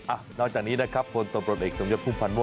อ่ะนอกจากนี้นะครับคนสมบัติเอกสมยุทธภูมิพันธ์มั่ว